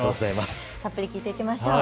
たっぷり聞いていきましょう。